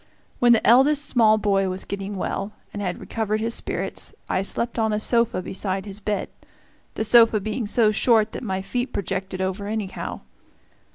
When the eldest small boy was getting well, and had recovered his spirits, I slept on a sofa beside his bed the sofa being so short that my feet projected over anyhow.